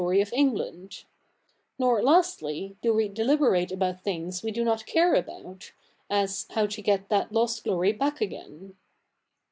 y of England ; nor, lastly, do we deliberate about things we do not care about, as how to get that lost glory back again.